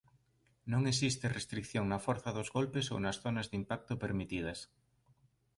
Non existe restrición na forza dos golpes ou nas zonas de impacto permitidas.